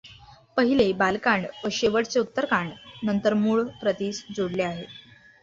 पहिले बालकांड व शेवटचे उत्तरकांड नंतर मूळ प्रतीस जोडले आहे.